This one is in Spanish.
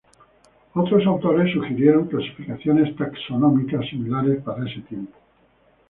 Otros autores sugirieron clasificaciones taxonómicas similares para ese tiempo.